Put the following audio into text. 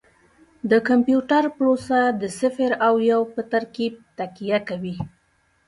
د کمپیوټر پروسه د صفر او یو په ترکیب تکیه کوي.